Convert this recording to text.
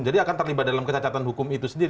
jadi akan terlibat dalam kecacatan hukum itu sendiri